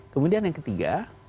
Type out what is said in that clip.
kemudian yang ketiga